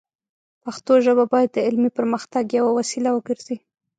پښتو ژبه باید د علمي پرمختګ یوه وسیله وګرځي.